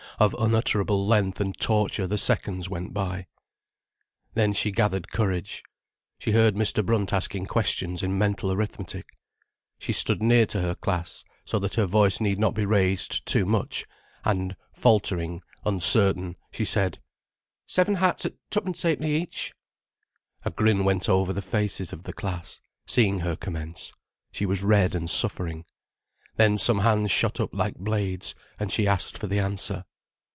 Of unutterable length and torture the seconds went by. Then she gathered courage. She heard Mr. Brunt asking questions in mental arithmetic. She stood near to her class, so that her voice need not be raised too much, and faltering, uncertain, she said: "Seven hats at twopence ha'penny each?" A grin went over the faces of the class, seeing her commence. She was red and suffering. Then some hands shot up like blades, and she asked for the answer.